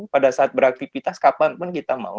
pada saat beraktivitas kapanpun kita mau